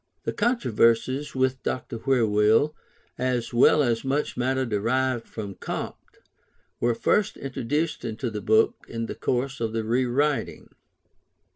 The controversies with Dr. Whewell, as well as much matter derived from Comte, were first introduced into the book in the course of the re writing.